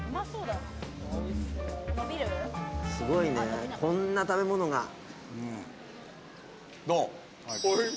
すごいね、こんな食べ物が。